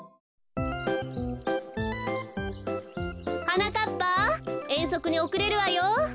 はなかっぱえんそくにおくれるわよ。